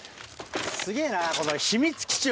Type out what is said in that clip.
すげぇなこの。